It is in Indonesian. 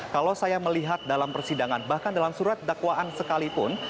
kalau saya melihat dalam persidangan bahkan dalam surat dakwaan sekalipun